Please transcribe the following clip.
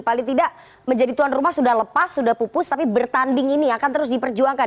paling tidak menjadi tuan rumah sudah lepas sudah pupus tapi bertanding ini akan terus diperjuangkan